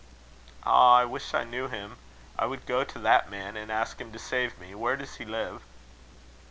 "Ah! I wish I knew him. I would go to that man, and ask him to save me. Where does he live?"